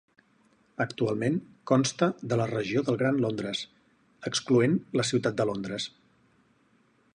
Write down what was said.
Actualment consta de la regió del Gran Londres, excloent la Ciutat de Londres.